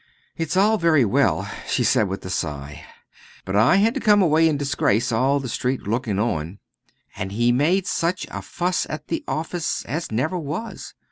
"It's all very well," she said with a sigh, "but I had to come away in disgrace, all the street looking on. And he made such a fuss at the office as never was.